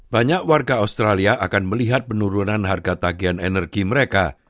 banyak warga australia akan melihat penurunan harga tagian energi mereka